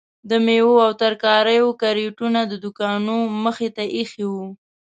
د میوو او ترکاریو کریټونه د دوکانو مخې ته ایښي وو.